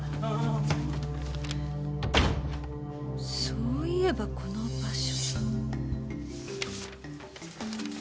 そういえばこの場所。